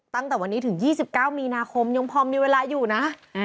ตั้งแต่วันนี้ถึง๒๙มีนาคมยังพอมีเวลาอยู่นะ